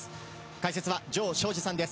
解説は城彰二さんです。